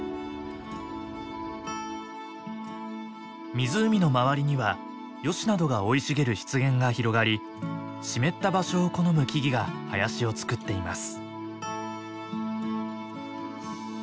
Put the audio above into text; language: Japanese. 湖の周りにはヨシなどが生い茂る湿原が広がり湿った場所を好む木々が林をつくっています。